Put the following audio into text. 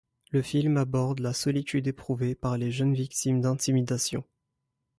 Le film aborde la solitude éprouvée par les jeunes victimes d'intimidation.